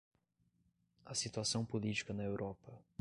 A Situação Política na Europa